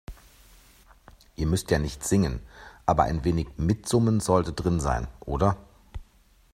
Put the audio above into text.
Ihr müsst ja nicht singen, aber ein wenig Mitsummen sollte drin sein, oder?